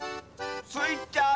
スイちゃん